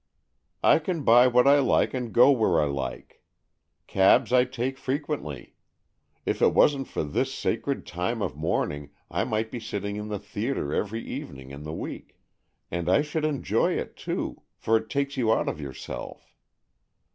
I can buy what I like and go where I like. Cabs I take frequently. If it wasn't for this sacred time of mourning I might be sitting in the theatre every evening in the week. And I should enjoy it too. For it takes you out of your self."